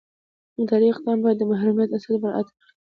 اداري اقدام باید د محرمیت اصل مراعات کړي.